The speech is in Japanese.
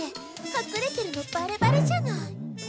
かくれてるのバレバレじゃない。